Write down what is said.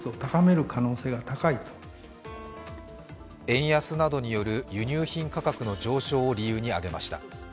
円安などによる輸入品価格の上昇を理由に挙げました。